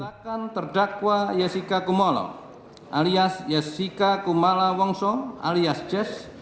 bahkan terdakwa jessica kumolo alias jessica kumala wongso alias jess